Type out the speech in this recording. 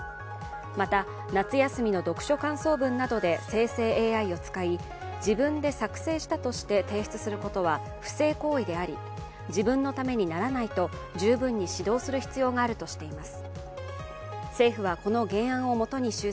また夏休みの読書感想文などで生成ＡＩを使い、自分で作成したとして提出することは不正行為であり自分のためにならないと十分に指導する必要があるとしています。